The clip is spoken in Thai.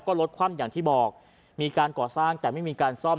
ก็รถคว่ำอย่างที่บอกมีการก่อสร้างแต่ไม่มีการซ่อม